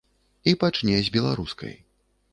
І пачне з беларускай.